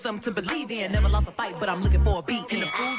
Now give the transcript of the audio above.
โอ้โหรีลาก็ไม่ธรรมดาจริง